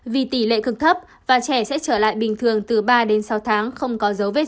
vì tỷ lệ cực thấp và trẻ sẽ trở lại bình thường từ ba đến sáu tháng không có dấu vết